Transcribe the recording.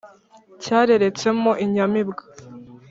Cyareretsemo inyamibwa,